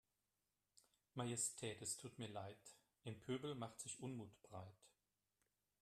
Majestät es tut mir Leid, im Pöbel macht sich Unmut breit.